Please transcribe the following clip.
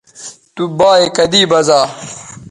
تو بایئے کدی بزا